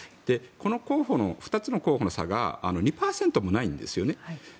この２つの候補の差が２％もないんですよね。